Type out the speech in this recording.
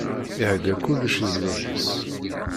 Ihegga kullec i zzwaǧ-is.